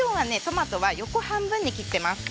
トマトは横半分に切ってます。